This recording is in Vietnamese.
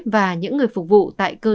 và những người phục vụ tại cơ sở y tế